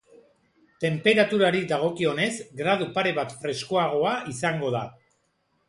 Tenperaturari dagokionez, gradu pare bat freskoagoa izango da.